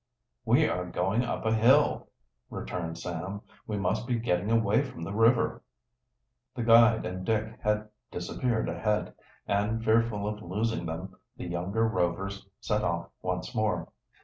"We are going up a hill," returned Sam. "We must be getting away from the river." The guide and Dick had disappeared ahead, and, fearful of losing them, the younger Rovers set off once more.